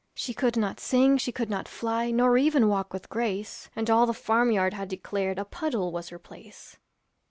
She could not sing, she could not fly, Nor even walk with grace, And all the farm yard had declared A puddle was her place.